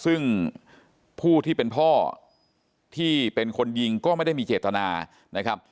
ซึ่งผู้ที่เป็นพ่อที่เป็นคนยิงก็ไม่ได้มีเจตนานะครับ